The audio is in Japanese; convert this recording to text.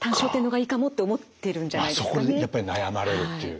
あっそこにやっぱり悩まれるっていう。